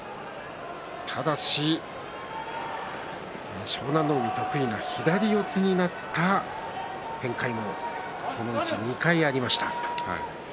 ただし湘南乃海、得意の左四つになった展開もそのうち２回ありました。